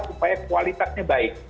supaya kualitasnya baik